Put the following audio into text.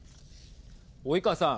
及川さん。